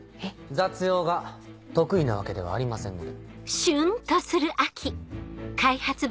雑用が得意なわけではありませんので。